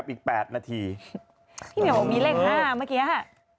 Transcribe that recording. พี่เหมียวบอกมีแรง๕เมื่อกี้นะฮะ